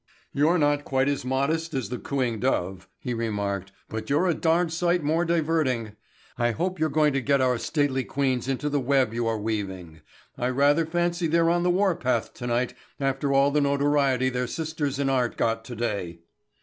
"You're not quite as modest as the cooing dove," he remarked, "but you're a darned sight more diverting. I hope you're going to get our stately queens into the web you are weaving. I rather fancy they're on the war path tonight after all the notoriety their sisters in art got today."